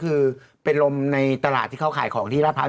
คือเป็นลมในตลาดที่เขาขายของที่ราชพร้าว